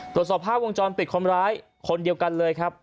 ตรวจสอบภาพวงจรปิดคนร้ายคนเดียวกันเลยครับ